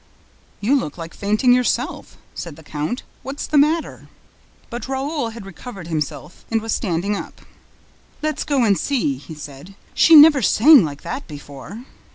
"You look like fainting yourself," said the count. "What's the matter?" But Raoul had recovered himself and was standing up. "Let's go and see," he said, "she never sang like that before."